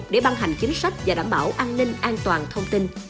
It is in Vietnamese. để băng hành chính sách và đảm bảo an ninh an toàn thông tin